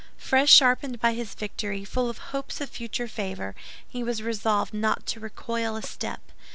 Fresh sharpened by his victory, full of hopes of future favor, he was resolved not to recoil a step.